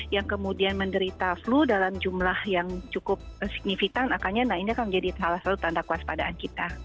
yang kemudian menderita flu dalam jumlah yang cukup signifikan akannya nah ini akan menjadi salah satu tanda kuas padaan kita